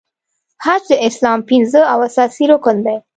حج د اسلام پنځم او اساسې رکن دی .